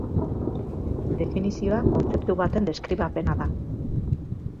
Definizioa kontzeptu baten deskribapena da.